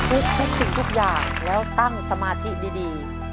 ทุกสิ่งทุกอย่างแล้วตั้งสมาธิดี